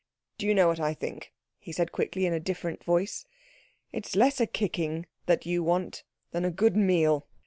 "Do you know what I think?" he said quickly, in a different voice. "It is less a kicking that you want than a good meal.